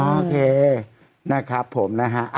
โอเคนะครับผมนะฮะ